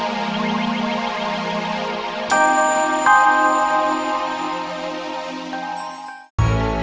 sampai jumpa lagi